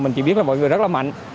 mình chỉ biết là mọi người rất là mạnh